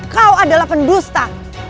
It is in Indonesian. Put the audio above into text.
kau adalah pendusta